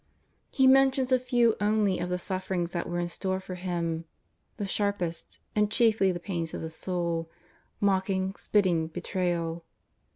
He mentions a few only of the sufferings that were in store for Him, the sharpest, and chiefly the pains of the soul — mocking, spitting, betrayal.